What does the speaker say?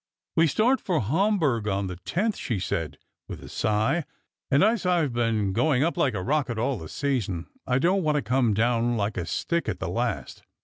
" We start for Hombourg on the twelfth," she said, with a sigh ;" and as I've been going up like a rocket all the season, I don't want to come down like a stick at the last.